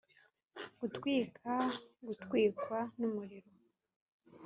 gutwika gutwikwa n umuriro